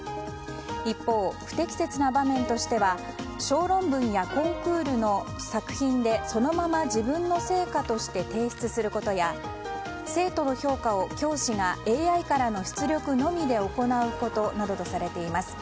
一方、不適切な場面としては小論文やコンクールの作品でそのまま自分の成果として提出することや生徒の評価を教師がＡＩからの出力のみで行うことなどとされています。